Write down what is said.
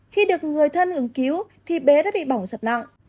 khi được người thân hướng cứu thì bé đã bị bỏng rất nặng